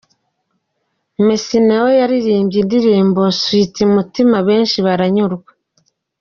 Messy nawe yaririmbye indirimbo Sweety Mutima benshi baranyurwa.